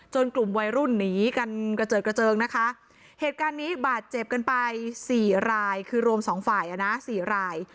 กลุ่มวัยรุ่นหนีกันกระเจิดกระเจิงนะคะเหตุการณ์นี้บาดเจ็บกันไปสี่รายคือรวมสองฝ่ายอ่ะนะสี่ราย